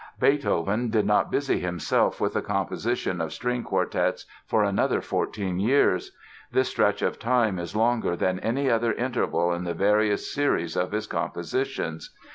Beethoven did not busy himself with the composition of string quartets for another fourteen years. This stretch of time is longer than any other interval in the various series of his compositions.